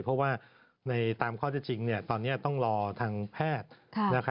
เพราะว่าในตามข้อเท็จจริงเนี่ยตอนนี้ต้องรอทางแพทย์นะครับ